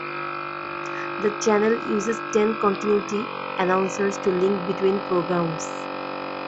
The channel uses ten continuity announcers to link between programmes.